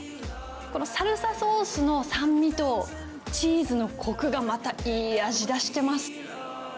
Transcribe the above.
このサルサソースの酸味と、チーズのこくがまたいい味出してます。